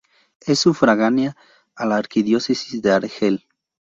Es sufragánea a la arquidiócesis de Argel.